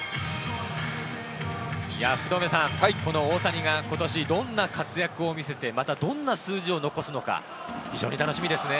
この大谷が今年どんな活躍を見せて、どんな数字を残すのか非常に楽しみですね。